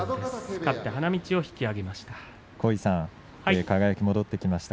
花道を引き揚げました。